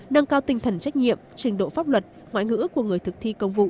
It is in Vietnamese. nâng cao tinh thần trách nhiệm trình độ pháp luật ngoại ngữ của người thực thi công vụ